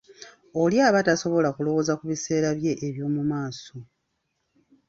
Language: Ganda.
Oli aba tasobola kulowooza ku biseera bye eby'omu maaso.